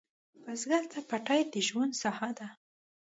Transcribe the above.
بزګر ته پټی د ژوند ساحه ده